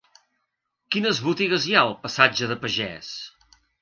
Quines botigues hi ha al passatge de Pagès?